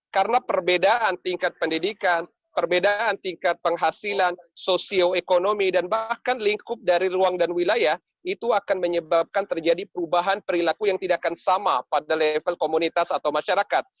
karena perbedaan tingkat pendidikan perbedaan tingkat penghasilan sosioekonomi dan bahkan lingkup dari ruang dan wilayah itu akan menyebabkan terjadi perubahan perilaku yang tidak akan sama pada level komunitas atau masyarakat